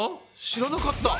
知らなかった。